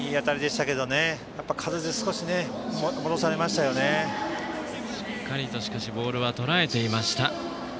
しかし、しっかりとボールはとらえていました。